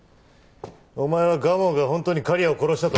お前は蒲生が本当に刈谷を殺したと。